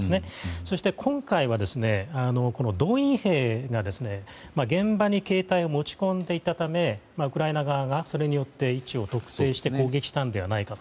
そして今回は動員兵が現場に携帯を持ち込んでいたためウクライナ側がそれによって位置を特定して攻撃したのではないかと。